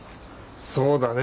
そうだね。